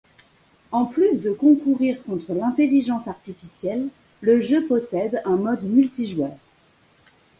En plus de concourir contre l'intelligence artificielle, le jeu possède un mode multijoueur.